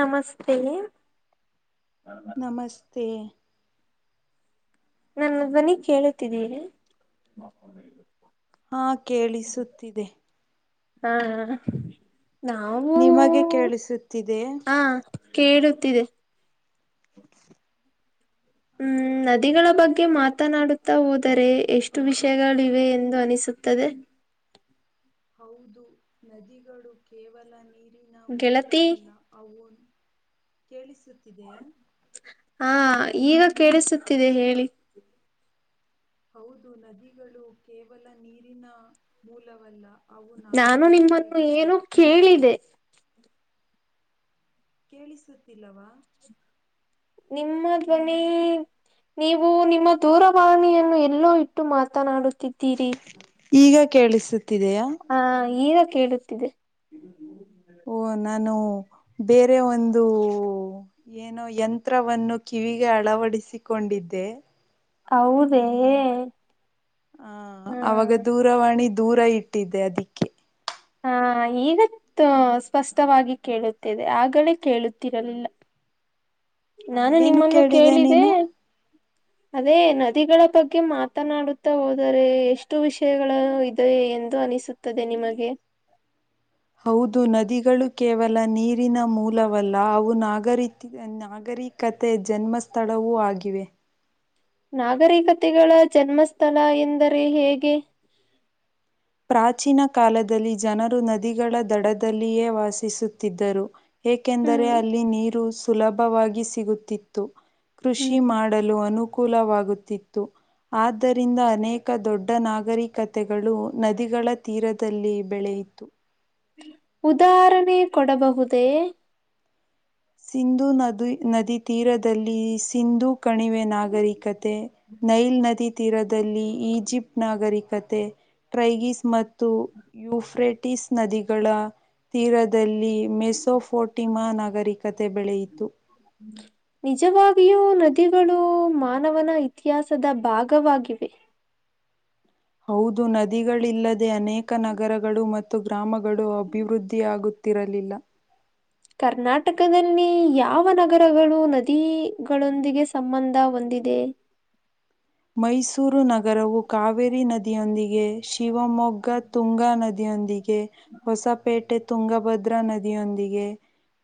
ನಮಸ್ತೆ ನಮಸ್ತೆ ನನ್ನ ಧ್ವನಿ ಕೇಳತಿದ್ದೀಯೇ ಹಾ ಕೇಳಿಸುತ್ತಿದೆ ಹಾ ಹ ನಾವೂ ನಿಮಗೆ ಕೇಳಿಸುತ್ತಿದೆ ಹಾ ಕೇಳುತ್ತಿದೆ. [inaudible] ಹ್ಮ್ ನದಿಗಳ ಬಗ್ಗೆ ಮತ್ತೆ ಮಾತನಾಡ ಹುತ್ತ ಹೋದರೆ ಎಷ್ಟು ವಿಷಯಗಳಿವೆ ಎಂದು ಅನಿಸುತ್ತದೆ. ಹೌದು ನದಿಗಳು ಕೇವಲ ನೀರಿನ ಗೆಳತಿ ಮೂಲವಲ್ಲ ಅವುನ್ ಕೇಳಿಸುತ್ತಿದೆಯಾ ಹಾ ಈಗ ಕೇಳಿಸುತ್ತಿದೆ ಹೇಳಿ ಹೌದು ನದಿಗಳು ಕೇವಲ ನೀರಿನ ಮೂಲವಲ್ಲ [inaudible] ನಾನು ನಿಮ್ಮನ್ನು ನಾಗರಿಕತೆಗಳ ಏನು ಕೇಳಿದೆ ಕೇಳಿಸುತ್ತಿಲ್ಲವಾ ನಿಮ್ಮ ಧ್ವನಿ ನೀವು ನಿಮ್ಮ ದೂರವಾಣಿಯನ್ನು ಎಲ್ಲೋ ಇಟ್ಟು ಮಾತನಾಡುತ್ತಿದ್ದೀರಿ. ಕೇಳಿಸ ಹಾ ಈಗ ಕೇಳುತ್ತಿದೆ ಓ ನಾನು ಬೇರೆ ಒಂದು ಏನೋ ಯಂತ್ರವನ್ನು ಕಿವಿಗೆ ಅಳವಡಿಸಿಕೊಂಡಿದ್ದೆ ಹೌದೇ ಹಾ ಹ್ಮ್ ಅವಾಗ ದೂರವಾಣಿ ದೂರ ಇಟ್ಟಿದೆೆ ಅದಿಕ್ಕೆ ಹಾ ಈಗ ಸ್ಪಷ್ಟವಾಗಿ ಕೇಳುತ್ತಿದೆ ಆಗಲೇ ಕೇಳುತ್ತಿರಲಿಲ್ಲ ಹ ನಾನು ಏನು ನಿಮ್ಮನ್ನು ಕೇಳಿದೆ ನೀನು ಅದೇ ನದಿಗಳ ಬಗ್ಗೆ ಮಾತನಾಡುತ್ತಾ ಹೋದರೆ ಎಷ್ಟು ವಿಷಯಗಳು ಇದೆ ಎಂದು ಅನಿಸುತ್ತದೆ ನಿಮಗೆ ಹೌದು ನದಿಗಳು ಕೇವಲ ನೀರಿನ ಮೂಲವಲ್ಲ ಅವು ನಾಗರಿತಿ ನಾಗರಿತಿ ನಾಗರಿ ಕತೆ ಜನ್ಮಸ್ಥಳವೂ ಆಗಿವೆ ನಾಗರಿಕತೆಗಳ ಜನ್ಮಸ್ಥಳ ಎಂದರೆ ಹೇಗೆ ಪ್ರಾಚೀನ ಕಾಲದಲ್ಲಿ ಜನರು ನದಿಗಳ ದಡದಲ್ಲಿಯೇ ವಾಸಿಸುತ್ತಿದ್ದರು ಏಕೆಂದರೆ ಹ್ಮ್ ಅಲ್ಲಿ ನೀರು ಸುಲಭವಾಗಿ ಸಿಗುತ್ತಿತ್ತು ಕೃಷಿ ಹ್ಮ್ ಮಾಡಲು ಅನು ಅನುಕೂಲವಾಗುತ್ತಿತ್ತು ಆದ್ದರಿಂದ ಅನೇಕ ದೊಡ್ಡ ನಾಗರಿಕತೆಗಳು ನದಿಗಳ ತೀರದಲ್ಲಿ ಬೆಳೆ ಇತ್ತು ಉದಾಹರಣೆ ಕೊಡಬಹುದೇ ಸಿಂಧು ನದು ನದಿ ತೀರದಲ್ಲಿ ಸಿಂಧು ಕಣಿವೆ ನಾಗರಿಕತೆ ನೈಲ್ ನದಿ ತೀರದಲ್ಲಿ ಈಜಿಪ್ಟ್ ನಾಗರಿಕತೆ ಟ್ರೈಗೀಸ್ ಮತ್ತು ಯುಫ್ರೆಟಿಸ್ ನದಿಗಳ ತೀರದಲ್ಲಿ ಮೆಸೋಫೋಟಿಮಾ ನಗರಿಕ ಕತೆ ಬೆಳೆಯಿತು ಹ ನಿಜವಾಗಿಯೂ ನದಿಗಳು ಮಾನವನ ಇತಿಹಾಸದ ಭಾಗವಾಗಿವೆ ಹ ಹೌದು ನದಿಗಳಿಲ್ಲದೆ ಅನೇಕ ನಗರಗಳು ಮತ್ತು ಗ್ರಾಮಗಳು ಅಭಿವೃದ್ಧಿಯಾಗುತ್ತ ಗೊತ್ತರಲಿಲ್ಲ ಕರ್ನಾಟಕದಲ್ಲಿ ಯಾವ ನಗರಗಳು ನದಿಗಳೊಂದಿಗೆ ಸಂಬಂಧ ಹೋಂ ಡಿದೆ ಹ ಮೈಸೂರು ನಗರವು ಕಾವೇರಿ ನದಿಯೊಂದಿಗೆ ಶಿವಮೊಗ್ಗ ತುಂಗಾ ನದಿಯೊಂದಿಗೆ ಕೆ ಹೊಸಪೇಟೆ ತುಂಗಭದ್ರಾ ನದಿಯೊಂದಿಗೆ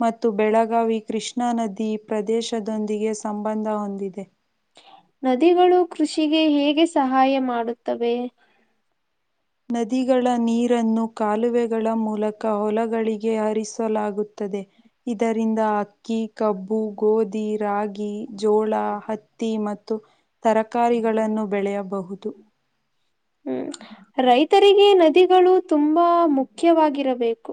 ಮತ್ತು ಬೆಳಗಾವಿ ಕೃಷ್ಣಾ ನದಿ ಪ್ರದೇಶದೊಂದಿಗೆ ಸಂಬಂಧ ಹೊಂದಿದೆ ನದಿಗಳು ಕೃಷಿಗೆ ಹೇಗೆ ಸಹಾಯ ಮಾಡುತ್ತವೆ ನದಿಗಳ ನೀರನ್ನು ಕಾಲುವೆಗಳ ಮೂಲಕ ಹೊಲಗಳಿಗೆ ಹರಿಸಲಾಗುತ್ತದೆ ದೆ ಇದರಿಂದ ಅಕ್ಕಿ ಕಬ್ಬು ಗೋಧಿ ರಾಗಿ ಜೋಳ ಹತ್ತಿ ಮತ್ತು. ತರಕಾರಿಗಳನ್ನು ಬೆಳೆಯಬಹುದು ಹ್ಮ ರೈತರಿಗೆ ನದಿಗಳು ತುಂಬಾ ಮುಖ್ಯವಾಗಿರಬೇಕು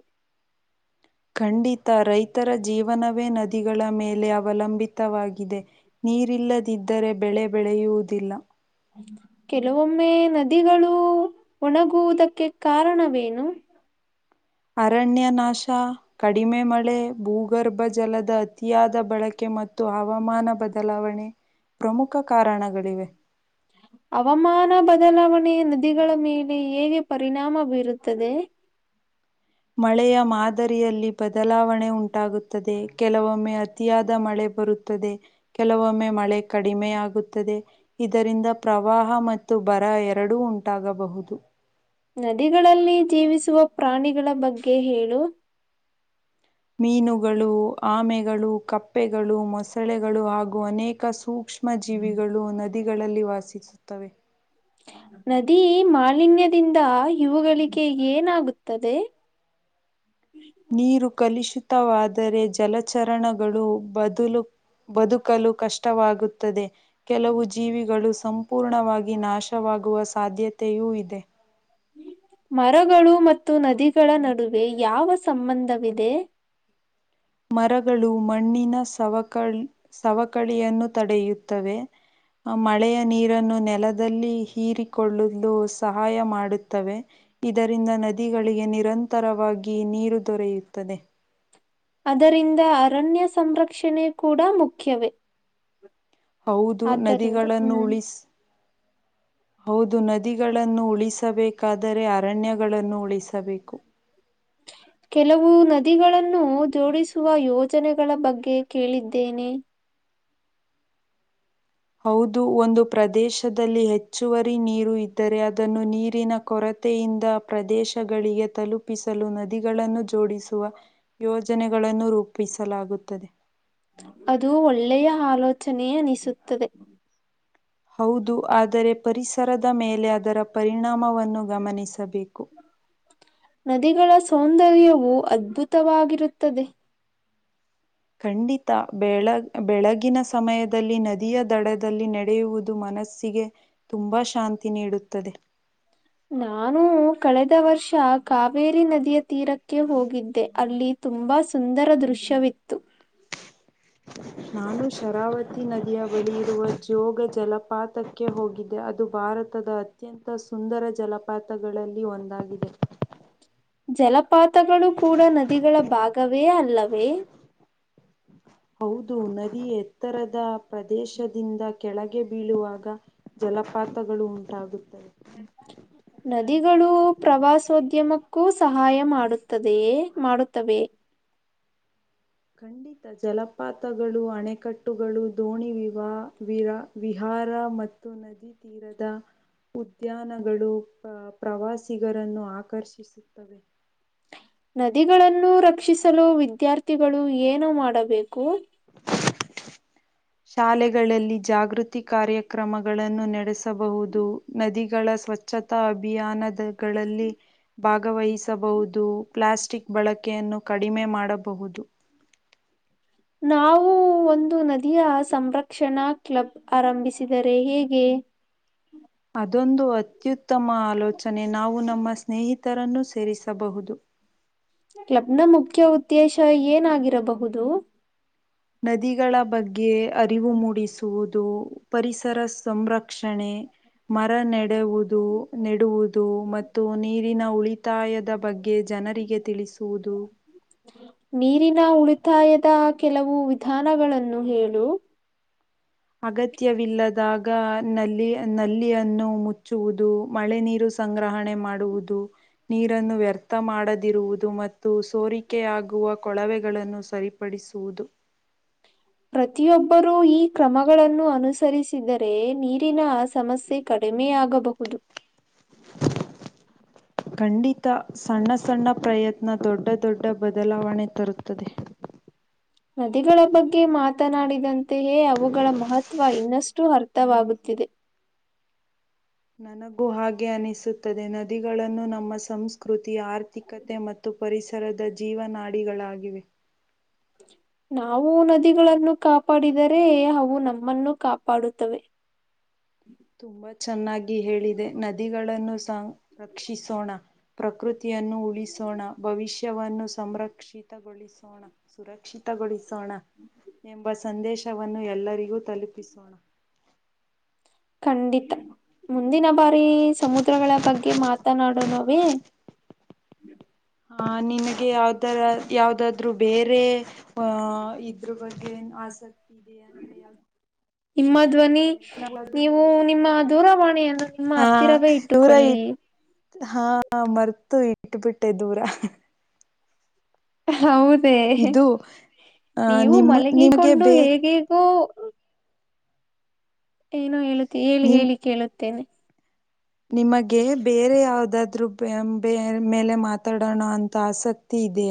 ಖಂಡಿತ ರೈತರ ಜೀವನವೇ ನದಿಗಳ ಮೇಲೆ ಅವಲಂಬಿತವಾಗಿದೆ ನೀರಿಲ್ಲದಿದ್ದರೆ ಬೆಳೆ ಬೆಳೆಯುವುದಿಲ್ಲ ಕೆಲವೊಮ್ಮೆ ನದಿಗಳು ಒಣಗುವುದಕ್ಕೆ ಕಾರಣವೇನು ಅರಣ್ಯ ನಾಶ ಕಡಿಮೆ ಮಳೆ ಭೂಗರ್ಭ ಜಲದ ಅತಿಯಾದ ಬಳಕೆ ಮತ್ತು ಹವಾಮಾನ ಬದಲಾವಣೆ ಪ್ರಮುಖ ಕಾರಣಗಳಿವೆ ಹವಾಮಾನ ಬದಲಾವಣೆಯ ನದಿಗಳ ಮೇಲೆ ಹೇಗೆ ಪರಿಣಾಮ ಬೀರುತ್ತದೆ ಮಳೆಯ ಮಾದರಿಯಲ್ಲಿ ಬದಲಾವಣೆ ಉಂಟಾಗುತ್ತದೆ ಕೆಲವೊಮ್ಮೆ ಅತಿಯಾದ ಮಳೆ ಬರುತ್ತದೆ ಕೆಲವೊಮ್ಮೆ ಮಳೆ ಕಡಿಮೆ ಆಗುತ್ತದೆ ಇದರಿಂದ ಪ್ರವಾಹ ಮತ್ತು ಬರ ಎರಡೂ ಉಂಟಾಗಬಹುದು ನದಿಗಳಲ್ಲಿ ಜೀವಿಸುವ ಪ್ರಾಣಿಗಳ ಬಗ್ಗೆ ಹೇಳು. ಮೀನುಗಳು ಆಮೆಗಳು ಕಪ್ಪೆಗಳು ಮೊಸಳೆಗಳು ಹಾಗೂ ಅನೇಕ ಸೂಕ್ಷ್ಮ ಸೂಕ್ಷ್ಮ ಜೀವಿಗಳು ನದಿಗಳಲ್ಲಿ ವಾಸಿಸುತ್ತವೆ ನದಿ ಮಾಲಿನ್ಯದಿಂದ ಇವುಗಳಿಗೆ ಏನಾಗುತ್ತದೆ ಹ ನೀರು ಕಲುಷಿತವಾದರೆ ಜಲಚರಣಗಳು ಬದಲು ಬದುಕಲು ಕಷ್ಟವಾಗುತ್ತದೆ ಕೆಲವು ಜೀವಿಗಳು ಸಂಪೂರ್ಣವಾಗಿ ನಾಶವ ಆಗುವ ಸಾಧ್ಯತೆಯೂ ಇದೆ ಮರಗಳು ಮತ್ತು ನದಿಗಳ ನಡುವೆ ಯಾವ ಸಂಬಂಧವಿದೆ ಮರಗಳು ಮಣ್ಣಿನ ಸವಕಳ್ ಸವಕಳಿಯನ್ನು ತಡೆಯುತ್ತವೆ ಮಳೆಯ ನೀರನ್ನು ನೆಲದಲ್ಲಿ ಹೀರಿಕೊಳ್ಳಲು ಸಹಾಯ ಮಾಡುತ್ತವೆ ಇದರಿಂದ ನದಿಗಳಿಗೆ ನಿರಂತರವಾಗಿ ನೀರು ದೊರೆಯುತ್ತದೆ ಅದರಿಂದ ಅರಣ್ಯ ಸಂರಕ್ಷಣೆ ಕೂಡ ಮುಖ್ಯವೇ ಹೌದು ಆದ್ದರಿಂದ ನದಿಗಳನ್ನು ಹ್ಮ್ ಉಳಿಸ ಹೌದು ನದಿಗಳನ್ನು ಉಳಿಸಬೇಕಾದರೆ ಅರಣ್ಯಗಳನ್ನು ಉಳಿಸಬೇಕು ಹ [unintelligible] ಕೆಲವು ನದಿಗಳನ್ನು ಜೋಡಿಸುವ ಯೋಜನೆಗಳ ಬಗ್ಗೆ ಕೇಳಿದ್ದೇನೆ ಹೌದು ಒಂದು ಪ್ರದೇಶದಲ್ಲಿ ಹೆಚ್ಚುವರಿ ನೀರು ಇದ್ದರೆ ಅದನ್ನು ನೀರಿನ ಕೊರತೆ ತೆಯಿಂದ ಪ್ರದೇಶಗಳಿಗೆ ತಲುಪಿಸಲು ನದಿಗಳನ್ನು ಜೋಡಿಸುವ ಯೋಜನೆಗಳು ಗಳನ್ನು ರೂಪಿಸಲಾಗುತ್ತದೆ ಅದು ಒಳ್ಳೆಯ ಆಲೋಚನೆ ಅನಿಸುತ್ತದೆ ಹೌದು ಆದರೆ ಪರಿಸರದ ಮೇಲೆ ಅದರ ಪರಿಣಾಮವನ್ನು ಗಮನಿಸಬೇಕು ನದಿಗಳ ಸೌಂದರ್ಯವು ಅದ್ಭುತವಾಗಿರುತ್ತದೆ ಖಂಡಿತ ಬೆಳ ಬೆಳಗಿನ ಸಮಯದಲ್ಲಿ ನದಿಯ ದಡದಲ್ಲಿ ನಡೆಯುವುದು ಮ ಮನಸ್ಸಿಗೆ ತುಂಬಾ ಶಾಂತಿ ನೀಡುತ್ತದೆ ನಾನು ಕಳೆದ ವರ್ಷ ಕಾವೇರಿ ನದಿಯ ತೀರಕ್ಕೆ ಹೋಗಿದ್ದೆ ಅಲ್ಲಿ ತುಂಬಾ ಸುಂದರ ದೃಶ್ಯವಿತ್ತು ನಾನು ಶರಾವತಿ ನದಿಯ ಬಳಿ ಇರುವ ಜೋಗ ಜಲಪಾತ [inaudible] ಅದಕ್ಕೆ ಹೋಗಿದೆೆ ಅದು ಭಾರತದ ಅತ್ಯಂತ ಸುಂದರ ಜಲಪಾತಗಳಲ್ಲಿ ಒಂದಾಗಿದೆ ಜಲಪಾತಗಳು ಕೂಡ ನದಿಗಳ ಭಾಗವೇ ಅಲ್ಲವೇ ಹೌದು ನದಿ ಎತ್ತರದ ಪ್ರದೇಶದಿಂದ ಕೆಳಗೆ ಬೀಳುವಾಗ ಜ ಜಲಪಾತಗಳು ಉಂಟಾಗುತ್ತೆ ನದಿಗಳು ಪ್ರವಾಸೋದ್ಯಮಕ್ಕೂ ಸಹಾಯ ಮಾಡುತ್ತದೆಯೇ ಮಾಡುತ್ತವೆ ಖಂಡಿತ ಜಲಪಾತಗಳು ಅಣೆಕಟ್ಟುಗಳು ದೋಣಿ ವಿವಾ ವಿ ವಿಹಾ ವಾರ ಮತ್ತು ನದಿ ತೀರದ ಉದ್ಯಾನಗಳು ಪ್ರ ಪ್ರವಾಸಿಗರನ್ನು ಆಕರ್ಷಿಸುತ್ತವೆ ನದಿಗಳನ್ನು ರಕ್ಷಸಲು ವಿದ್ಯಾರ್ಥಿಗಳು ಏನು ಮಾಡಬೇಕು ಶಾಲೆಗಳಲ್ಲಿ ಜಾಗೃತಿ ಕಾರ್ಯ ಕ್ರಮಗಳನ್ನು ನಡೆಸಬಹುದು ನದಿ ಗಳ ಸ್ವಚ್ಛತಾ ಅಭಿಯಾನದಗಳಲ್ಲಿ ಭಾಗವಹಿಸಬಹುದು ಪ್ಲಾಸ್ಟಿಕ್ ಬಳಕೆಯನ್ನು ಕಡಿಮೆ ಮಾಡಬಹುದು ನಾವು ಒಂದು ನದಿಯ ಸಂರಕ್ಷಣಾ ಕ್ಲಬ್ ಆರಂಭಿಸಿದರೆ ಹೇಗೆ ಅದೊಂದು ಅತ್ಯುತ್ತಮ ಆಲೋಚನೆ ನಾವು ನಮ್ಮ ಸ್ನೇಹಿತರನ್ನ ಸೇರಿಸಬಹುದು [unintelligible] ಕ್ಲಬ್ ನ ಮುಖ್ಯ ಉದ್ದೇಶ ಏನಾಗಿರಬಹುದು ನದಿಗಳ ಬಗ್ಗೆ ಅರಿವು ಮೂಡಿಸುವುದು ಪರಿಸರ ಸಂರಕ್ಷಣೆ ಹ [inaudible] ಮರ ನೆಡುವುದು ನೆಡುವುದು ಮತ್ತು ನೀರಿನ ಉಳಿತಾಯದ ಬಗ್ಗೆ ಜನ ಜನರಿಗೆ ತಿಳಿಸುವುದು ನೀರಿನ ಉಳಿತಾಯದ ಕೆಲವು ವಿಧಾನಗಳನ್ನು ಹೇಳು ಅಗತ್ಯವಿಲ್ಲದಾಗ ನಲ್ಲಿ ನಲ್ಲಿಯನ್ನು ಮುಚ್ಚುವುದು ಮಳೆ ನೀರು ಸಂಗ್ರಹಣೆ ಮಾಡುವುದು ನೀರನ್ನು ವ್ಯರ್ಥ ಮಾಡದಿರುವುದು ಮತ್ತು. ಸೋರಿಕೆಯಾಗುವ ಕೊಳವೆಗಳನ್ನು ಸರಿಪಡಿಸುವುದು. ಪ್ರತಿಯೊಬ್ಬರೂ ಈ ಕ್ರಮಗಳನ್ನು ಅನುಸರಿಸಿದರೆ ನೀರಿನ ಆ ಸಮಸ್ಯೆ ಕ. ಕಡಿಮೆ ಆಗಬಹುದು. ಟ್. [unintelligible] [inaudible] ಖಂಡಿತ ಸಣ್ಣ ಸಣ್ಣ ಪ್ರಯತ್ನ ದೊಡ್ಡ ದೊಡ್ಡ ಬದಲಾವಣೆ ತರುತ್ತದೆ. ಟ್ [unintelligible] ಅಂತೆಯೇ ಅವುಗಳ ಮಹತ್ವ ಇನ್ನಷ್ಟು ಅರ್ಥವಾಗುತ್ತಿದೆ. ನನಗೂ ಹಾಗೆ ಅನಿಸುತ್ತದೆ ನದಿಗಳನ್ನು ನಮ್ಮ ಸಂಸ್ಕೃತಿ. ಆರ್ಥಿಕತೆ ಮತ್ತು ಪರಿಸರದ ಜೀವನಾಡಿಗಳಾಗಿವೆ. ನಾವು ನದಿಗಳನ್ನು ಕಾಪಾಡಿದರೆ ಅವು ನಮ್ಮನ್ನು ಕಾಪಾಡುತ್ತವೆ. ಹ. ತುಂಬಾ ಚೆನ್ನಾಗಿ ಹೇಳಿದೆ ನದಿಗಳನ್ನು ಸಂರಕ್ಷಸೋಣ ಪ್ರಕೃತಿ. ನನ್ನು ಉಳಿಸೋಣ ಭವಿಷ್ಯವನ್ನು ಸಂರಕ್ಷತಗೊಳಿಸೋಣ ಸುರಕ್ಷಿತಗೊಲಿಸೋನಾ. ರೊಣ ಎಂಬ ಸಂದೇಶವನ್ನು ಎಲ್ಲರಿಗೂ ತಲುಪಿಸೋಣ. ಖಂಡಿತ ಮುಂದಿನ ಬಾರಿ ಸಮುದ್ರಗಳ ಬಗ್ಗೆ ಮಾತನಾಡೊನವೇ. ಟ. ಹ ನಿನಗೆ ಯಾವ್ದ ಯಾವ್ದಾದ್ರು ಬೇರೆ ಅ ಇದ್ರ ಬಗ್ಗೆ. ಏನು ಆಸಕ್ತಿ ಇದೆ ಅಂದ್ರೆ ಯ. ನಿಮ್ಮ ಧ್ವನಿ ನೀವು ನಿಮ್ಮ. ದೂರವಾಣಿಯನ್ನು ನಿಮ್ಮ ಹಾ ಹತ್ತಿರವೇ ನೂರ ಇ ಇಟ್ಟುಕೊಳ್ಳಿ. ಹಾ ಬರ್ತು ಇ. ಇಟ್ಟು ಬಿಟ್ಟೆ ದೂರ. ಹೌದೇ ಇದು ಅ ನೀವು ನಿಮ್ಮ ನಿಮಗೆ ಮಲಗಿಕೊಂಡು ಬೇ ಹೇಗೇಗೋ. ಏನೋ ಹೇಳತಿ ಹೇಳಿ ನಿಮ್ ಹೇಳಿ ಕೇಳುತ್ತೇನೆ. ನಿಮಗೆ ಬೇರೆ ಯಾವ್ದಾದ್ರು ಬ ಮೇಲೆ ಮಾತಾಡೋಣ ಅಂತ ಆಸಕ್ತಿ. ಇದೆ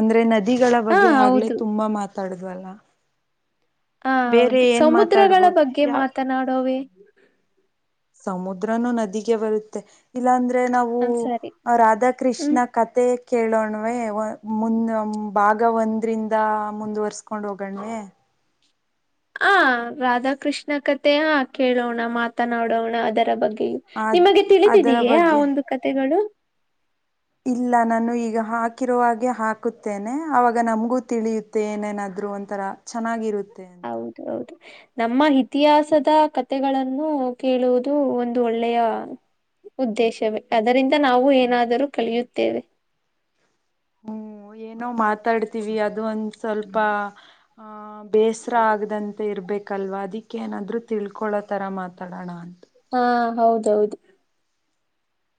ಅಂದ್ರೆ ನದಿಗಳ ಹಾ ಬಗ್ಗೆ ಆಗ್ಲೆೇ ಹೌದು ತುಂಬಾ ಮಾತಾಡುದ್ವಲ್ಲ. ಹ ಹೌದು ಸಮುದ್ರಗಳ ಮಾತಾಡ್ಬೋದು ಬಗ್ಗೆ ಯಾವ ಮಾತನಾಡೋವೇ. ಸಮುದ್ರನುೂ ನದಿಗೆ ಬರುತ್ತೆ ಇಲ್ಲಾ ಅಂದ್ರೆ. ಅಂದ್ರೆ ನಾವು ಸರಿ ಹ್ಮ್ ರಾಧಾಕೃಷ್ಣ ಕತೆ. ಕೇಳೋಣ್ವೆ ಮುಂದ ಭಾಗ ಒಂದ್ರಿಂದ ಮುಂದುವರ್ಸ್ಕೊಂಡ್ ಹೋಗೋಣ್ವೆ. ಹ ರಾಧಾಕೃಷ್ಣ ಕಥೆ ಕೇಳೋಣ ಮಾತನಾಡೋಣ ಅದರ ಬಗ್ಗೆ. ಅದು ನಿಮಗೆ ಅದರ ತಿಳಿದಿದಯೇ ಆ ಬಗ್ಗೆ ಒಂದು ಕತೆೆಗಳು. ಇಲ್ಲ ನಾನು ಈಗ ಹಾಕಿರುವ ಹಾಗಾಗೆ ಹಾಕುತ್ತೇನೆ ಅವಾಗ ನಮ್ಗೂ ತಿಳಿಯುತ್ತೆ ಏನೇನಾದ. ಆದ್ರು ಒಂಥರ ಚೆನ್ನಾಗಿರುತ್ತೆ ಅಂತ. ಹೌದು ಹೌದು ನಮ್ಮ ಇತಿಹಾಸದ ಕಥೆಗಳನ್ನು ಕೇಳುವುದು ಒಂದು ಒಳ್ಳೆಯ. ಉದ್ದೇಶವೇ ಅದರಿಂದ ನಾವು ಏನಾದರೂ ಕಳಿಯುತ್ತೇವೆ. ಹ್ಮ್ ಏನೋ ಮಾತಾಡ್ತಿವಿ ಅದು ಒಂದ ಸ್ವಲ್ಪ ಆ. ಬೇಸರ ಆಗದಂತೆ ಇರಬೇಕಲ್ವಾ ಅದಕ್ಕೇಏನಾದರೂ ತಿಳ್ಕೊಳ್ಳೋತರ ಮಾತಾಡೋಣ ಅಂತ. ಹಾ ಹೌದೌದು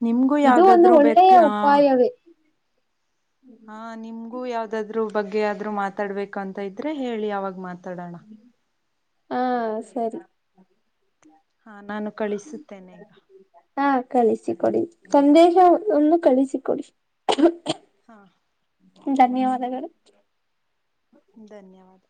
ನಿಮಗೂ ಇದು ಒಂದು ಯಾವುದಾದ್ರೂ ಒಳ್ಳೆಯ ಬೇಕು ಉಪಾಯವೇ ಹಾ ನಿಮ್ಗೂ ಯಾವ್ದಾದ್ರು ಬಗ್ಗೆ ಆದ್ರು ಮಾತಾಡ್ಬೇಕು ಅಂತ ಇದ್ರೆ ಹೇಳಿ ಅವಾಗ ಮಾತಡನಾ ಹಾ ಸರಿ ಹಾಂ ನಾನು ಕಳಿಸುತ್ತೇನೆ ಈಗ ಹಾ ಕಳಿಸಿ ಕೊಡಿ. ಸಂದೇಶ ಒಂದು ಕಳಿಸಿಕೊಡಿ. ಹಾ. ಧನ್ಯವಾದಗಳು. ಧನ್ಯವಾದ.